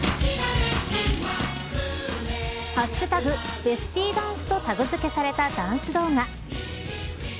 ＃ベスティーダンスとタグ付けされたダンス動画。